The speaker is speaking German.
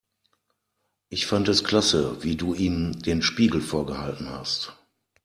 Ich fand es klasse, wie du ihm den Spiegel vorgehalten hast.